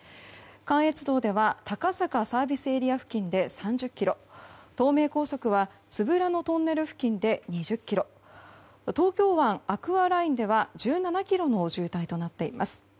関越道では高坂ＳＡ付近で３０ｋｍ東名高速は都夫良野トンネル付近で２０ｋｍ東京湾アクアラインでは１７ｋｍの渋滞となっています。